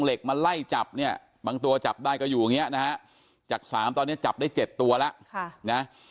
เหล็กมาไล่จับเนี่ยบางตัวจับได้ก็อยู่อย่างเงี้ยนะฮะจากสามตอนนี้จับได้๗ตัวแล้วนะ